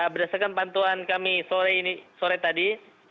berdasarkan pantauan kami sore tadi